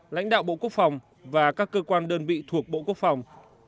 lãnh đạo bộ quốc phòng và các cơ quan đơn vị thuộc bộ quốc phòng